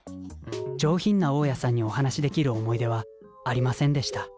上品な大家さんにお話しできる思い出はありませんでした